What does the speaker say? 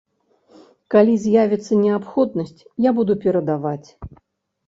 Калі з'явіцца неабходнасць, я буду перадаваць.